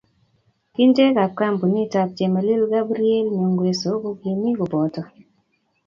Kintee kab kampunit ab Chemelil Gabriel Nyongweso Ko kimii kobotoo.